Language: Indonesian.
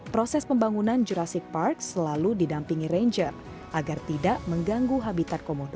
proses pembangunan jurassic park selalu didampingi ranger agar tidak mengganggu habitat komodo